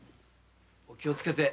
お気をつけて。